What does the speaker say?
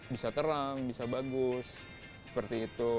bisa terang bisa bagus seperti itu